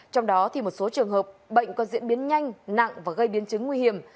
trong đó một số trường hợp bệnh có diễn biến nhanh nặng và gây biến chứng nguy hiểm